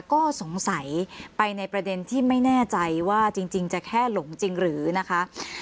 ก็สงสัยไปในประเด็นที่ไม่แน่ใจว่าจริงจะแค่หลงจริงหรือนะคะ